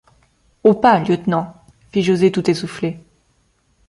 Au pas, lieutenant, fit José tout essoufflé